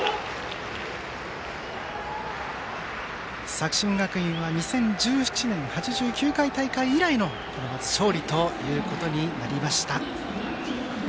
作新学院は、２０１７年８９回大会以来の勝利となりました。